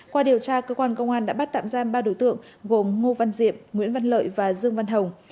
qua điều tra cơ quan công an đã bắt tạm giam ba đối tượng gồm ngô văn diệm nguyễn văn lợi và dương văn hồng